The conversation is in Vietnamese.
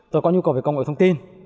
tôi có nhu cầu về công nghệ thông tin